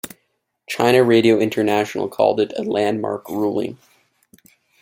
China Radio International called it a "landmark ruling".